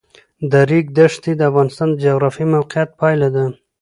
د ریګ دښتې د افغانستان د جغرافیایي موقیعت پایله ده.